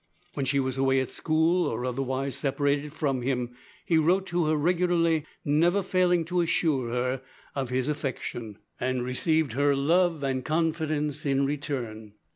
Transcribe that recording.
When she was away at school or otherwise separated from him, he wrote to her regularly, never failing to assure her of his affection, and received her love and confidence in return.